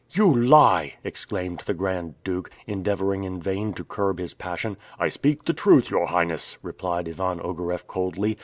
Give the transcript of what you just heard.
"You lie!" exclaimed the Grand Duke, endeavoring in vain to curb his passion. "I speak the truth, your Highness," replied Ivan Ogareff coldly.